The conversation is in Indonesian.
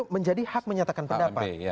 menjadi hak menyatakan pendapat